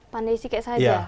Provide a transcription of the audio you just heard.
pandai sike saja